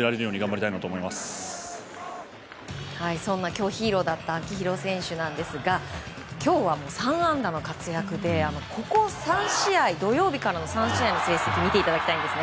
今日ヒーローだった秋広選手なんですが今日は３安打の活躍でここ３試合土曜日からの３試合の成績を見ていただきたいんですね。